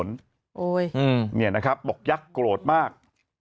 นี่นะครับบอกยักษ์โกรธมาก